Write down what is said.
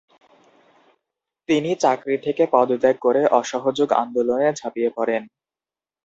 তিনি চাকরি থেকে পদত্যাগ করে অসহযোগ আন্দোলনে ঝাঁপিয়ে পড়েন।